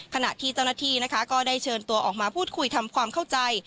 ขณะที่เจ้าหน้าที่นะคะก็ได้เชิญตัวออกมาพูดคุยทำความเข้าใจ